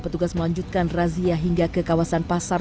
petugas melanjutkan razia hingga ke kawasan pasar